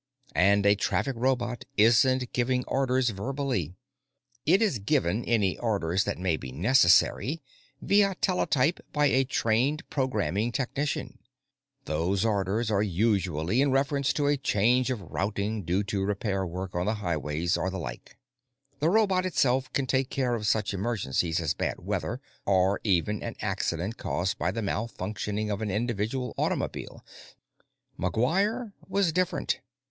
And a traffic robot isn't given orders verbally; it is given any orders that may be necessary via teletype by a trained programming technician. Those orders are usually in reference to a change of routing due to repair work on the highways or the like. The robot itself can take care of such emergencies as bad weather or even an accident caused by the malfunctioning of an individual automobile. McGuire was different.